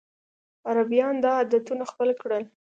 عربيان دا عددونه خپل کړل.